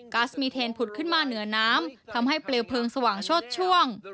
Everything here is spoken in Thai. ัสมีเทนผุดขึ้นมาเหนือน้ำทำให้เปลวเพลิงสว่างโชดช่วง